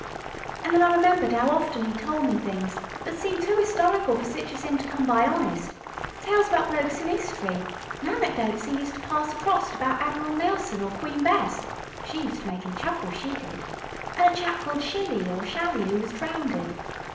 An' then I remembered 'ow often 'e'd tol' me things thet seemed too 'istorical for sich as 'im to come by honest, tales about blokes in 'istory nanecdotes 'e'd use to pass acrost about Admiral Nelson, or Queen Bess she use to make 'im chuckle, she did an' a chap called Shilly or Shally, 'oo was drownded.